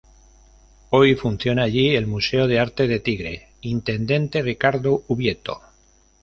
Hoy funciona allí el Museo de Arte de Tigre "Intendente Ricardo Ubieto".